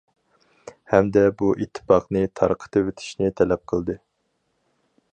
ھەمدە بۇ ئىتتىپاقنى تارقىتىۋېتىشنى تەلەپ قىلدى.